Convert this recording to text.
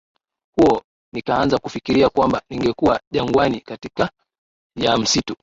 huo nikaanza kufikiria kwamba ningekuwa jangwani katika ya msitu